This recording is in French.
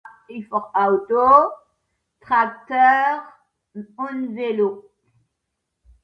auto tracteur vélo